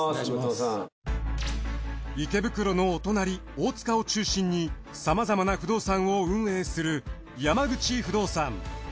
池袋のお隣大塚を中心にさまざまな不動産を運営する山口不動産。